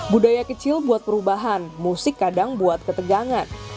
budaya kecil buat perubahan musik kadang buat ketegangan